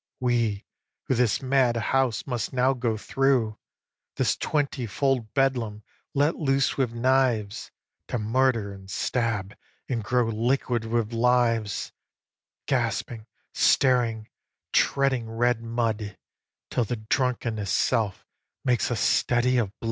We, who this mad house must now go through, This twenty fold Bedlam, let loose with knives To murder, and stab, and grow liquid with lives Gasping, staring, treading red mud, Till the drunkenness' self makes us steady of blood?